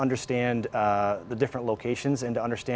untuk memahami lokasi yang berbeda